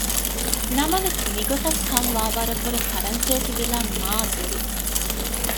ނަމަވެސް މިގޮތަށް ކަން ވާވަރަށްވުރެ ފަރަންސޭސިވިލާތް މާ ދުރު